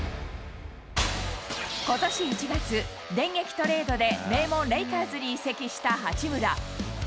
ことし１月、電撃トレードで名門、レイカーズに移籍した八村。